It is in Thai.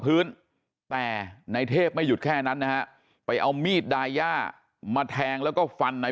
พื้นแต่ในเทพไม่หยุดแค่นั้นนะฮะไปเอามีดดาย่ามาแทงแล้วก็ฟันใน